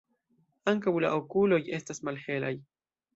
Ankaŭ la okuloj estas malhelaj.